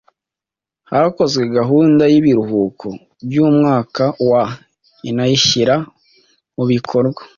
Hakozwe gahunda y ibiruhuko by umwaka wa inayishyira mu bikorwa